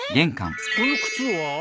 この靴は？